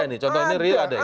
ada nih contohnya real ada ya